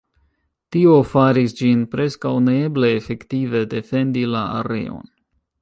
Tio faris ĝin preskaŭ neeble efektive defendi la areon.